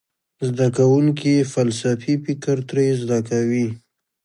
زده کوونکي فلسفي فکر ترې زده کوي.